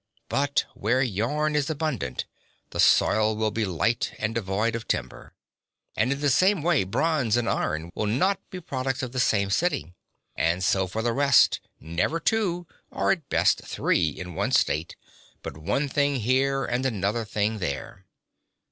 But where yarn is abundant, the soil will be light and devoid of timber. And in the same way bronze and iron will not be products of the same city. And so for the rest, never two, or at best three, in one state, but one thing here and another thing there.